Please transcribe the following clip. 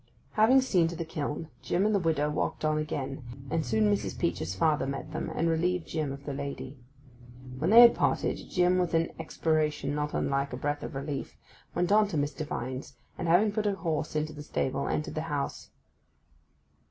Having seen to the kiln, Jim and the widow walked on again, and soon Mrs. Peach's father met them, and relieved Jim of the lady. When they had parted, Jim, with an expiration not unlike a breath of relief; went on to Mr. Vine's, and, having put the horse into the stable, entered the house.